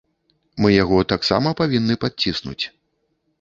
Мы яго таксама павінны падціснуць.